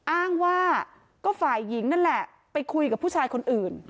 อ้างว่าก็ฝ่ายหญิงนั่นแหละไปคุยกับผู้ชายคนอื่น